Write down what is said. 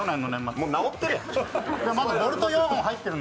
もう治ってるやん。